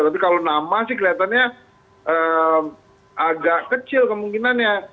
tapi kalau nama sih kelihatannya agak kecil kemungkinannya